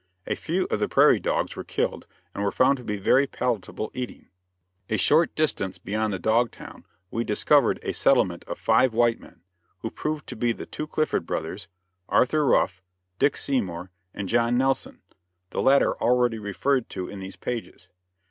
A few of the prairie dogs were killed, and were found to be very palatable eating. [Illustration: PRAIRIE DOG VILLAGE.] A short distance beyond the dog town we discovered a settlement of five white men, who proved to be the two Clifford brothers, Arthur Ruff, Dick Seymour and John Nelson the latter already referred to in these pages.